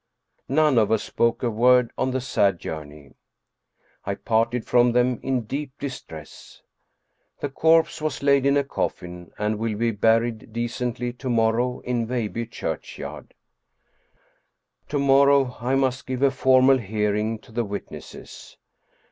None of us spoke a word on the sad journey. I parted from them in deep distress. The corpse was laid in a coffin and will be buried decently to morrow in Veilbye church yard. To morrow I must give a formal hearing to the wit nesses.